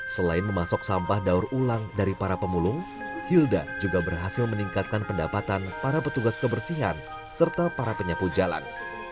selain memasok sampah daur ulang dari para pemulung hilda juga berhasil meningkatkan pendapatan para petugas kebersihan serta para penyapu jalan